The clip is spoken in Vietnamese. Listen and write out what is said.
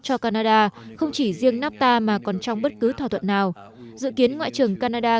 cho canada không chỉ riêng nafta mà còn trong bất cứ thỏa thuận nào dự kiến ngoại trưởng canada